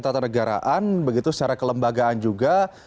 tata negaraan begitu secara kelembagaan juga